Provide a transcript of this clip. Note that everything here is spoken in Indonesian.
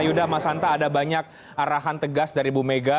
yuda mas hanta ada banyak arahan tegas dari bu mega